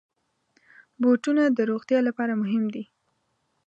بوټونه د روغتیا لپاره مهم دي.